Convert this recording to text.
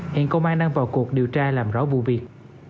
hiện công an đang vào cuộc điều tra làm rõ vụ việc